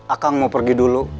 akang mau pergi dulu